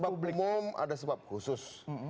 ada sebab umum ada sebab khusus